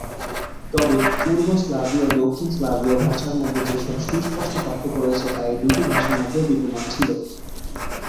তবে পূর্ব স্লাভীয় ও দক্ষিণ স্লাভীয় ভাষার মধ্যে যেসব সুস্পষ্ট পার্থক্য রয়েছে, তা এই দুইটি ভাষার মধ্যেও বিদ্যমান ছিল।